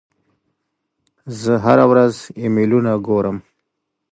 زه هره ورځ ایمیلونه ګورم.